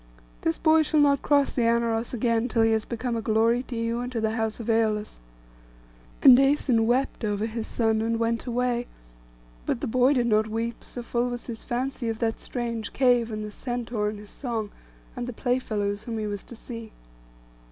This boy shall not cross the Anauros again, till he has become a glory to you and to the house of Æolus.' And Æson wept over his son and went away; but the boy did not weep, so full was his fancy of that strange cave, and the centaur, and his song, and the playfellows whom he was to see.